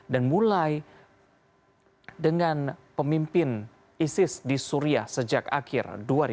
dan mulai dengan pemimpin isis di suria sejak akhir dua ribu delapan belas